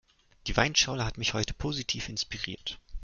Die Weinschorle hat mich heute positiv inspiriert.